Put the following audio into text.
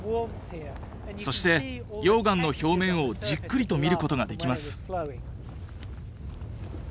そして溶岩の表面をじっくりと見ることができます。